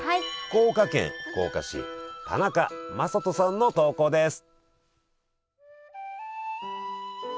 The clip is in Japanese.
福岡県福岡市田中雅人さんの投稿です。